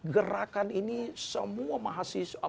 gerakan ini semua mahasiswa